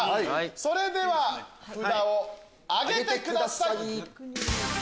それでは札を挙げてください！